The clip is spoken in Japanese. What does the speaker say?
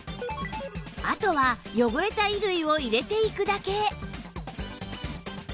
あとは汚れた衣類を入れていくだけ